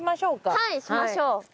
はいしましょう。